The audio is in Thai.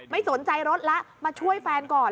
ไม่สนใจรถแล้วมาช่วยแฟนก่อน